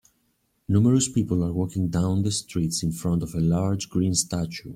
Numerous people are walking down the streets in front of a large, green statue.